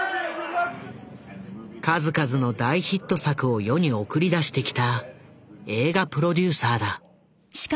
数々の大ヒット作を世に送り出してきた映画プロデューサーだ。